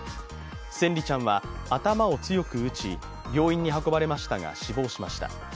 千椋ちゃんは頭を強く打ち、病院に運ばれましたが、死亡しました。